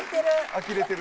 あきれてる。